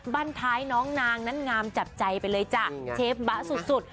บ้านท้ายน้องนางนั้นงามจับใจไปเลยจ้ะเชฟบะสุด